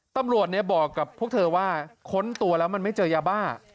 ตำรวจบอกกับพวกเธอว่าค้นตัวแล้วมันไม่เจอยาบ้า